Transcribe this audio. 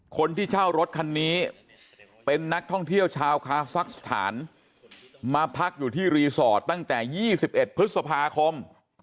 คนที่เช่ารถคันนี้เป็นนักท่องเที่ยวชาวคาซักสถานมาพักอยู่ที่รีสอร์ทตั้งแต่๒๑พฤษภาคม